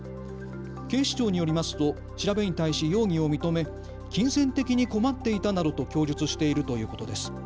警視庁によりますと調べに対し容疑を認め、金銭的に困っていたなどと供述しているということです。